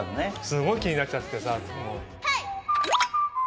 すごい気になっちゃっててさ。